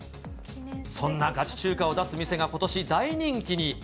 そんなガチ中華を出す店がことし、大人気に。